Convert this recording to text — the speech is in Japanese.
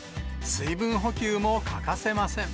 水分補給も欠かせません。